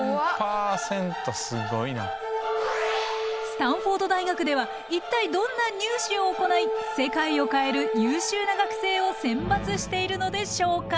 スタンフォード大学では一体どんなニュー試を行い世界を変える優秀な学生を選抜しているのでしょうか？